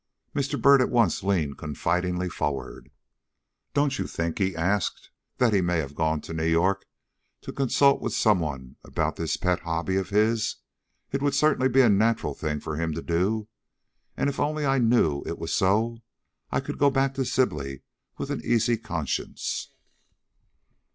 Mr. Byrd at once leaned confidingly forward. "Don't you think," he asked, "that he may have gone to New York to consult with some one about this pet hobby of his? It would certainly be a natural thing for him to do, and if I only knew it was so, I could go back to Sibley with an easy conscience."